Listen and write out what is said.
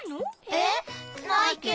えっ？ないけど。